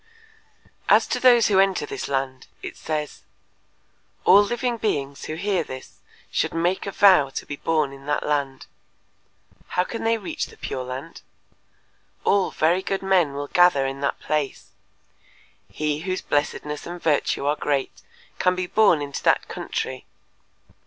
As to those who enter this land it says: "All living beings who hear this should make a vow to be born in that land. How can they reach the Pure Land? All very good men will gather in that place … He whose blessedness and virtue are great can be born into that country.